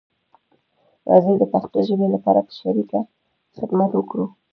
راځی د پښتو ژبې لپاره په شریکه خدمت وکړو